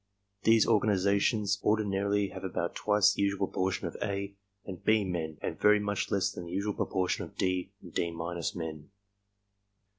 These organizations or dinarily have about twice the usual proportion of "A" and "B" men and very much less than the usual proportion of "D" and '^D '' men.